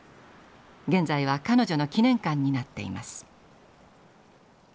現在は彼女の記念館になっています。